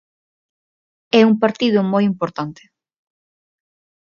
É un partido moi importante.